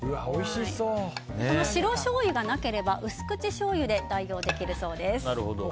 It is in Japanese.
この白しょうゆがなければ薄口しょうゆで代用できるそうです。